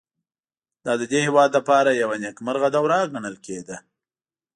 دا د دې هېواد لپاره یوه نېکمرغه دوره ګڼل کېده